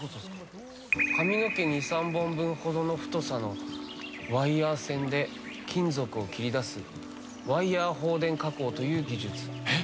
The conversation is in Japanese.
髪の毛２３本ほどの太さのワイヤー線で金属を切り出すワイヤー放電加工という技術。